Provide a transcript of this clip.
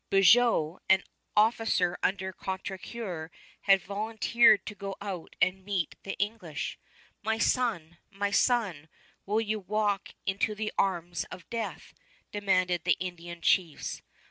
Beaujeu, an officer under Contrecoeur, had volunteered to go out and meet the English. "My son, my son, will you walk into the arms of death?" demanded the Indian chiefs.